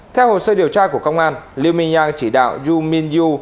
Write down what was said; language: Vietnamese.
theo hồ sơ điều tra của công an liu mingyang chỉ đạo yu mingyu